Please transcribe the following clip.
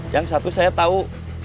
yang satu saya tahu